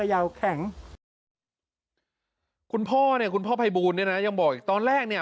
ยังบอกอีกตอนแรกเนี่ย